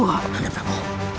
tidak ada perabu